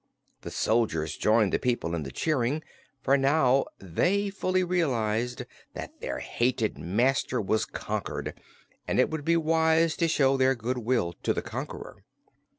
The soldiers joined the people in the cheering, for now they fully realized that their hated master was conquered and it would be wise to show their good will to the conqueror.